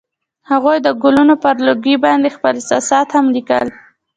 هغوی د ګلونه پر لرګي باندې خپل احساسات هم لیکل.